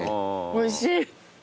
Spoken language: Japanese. おいしい！